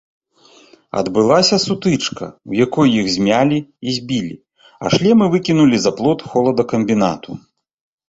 Адбылася сутычка, у якой іх змялі і збілі, а шлемы выкінулі за плот холадакамбінату.